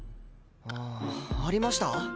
ありました？